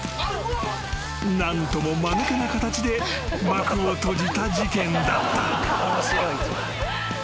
［何ともまぬけな形で幕を閉じた事件だった］